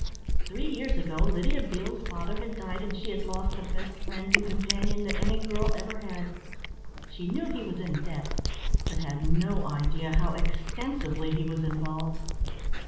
Three years ago Lydia Beale's father had died and she had lost the best friend and companion that any girl ever had. She knew he was in debt, but had no idea how extensively he was involved.